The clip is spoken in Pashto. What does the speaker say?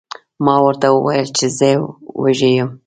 ما ورته وویل چې زه وږی یم.